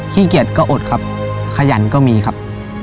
ขี้เกียจก็อดครับขยันก็มีครับ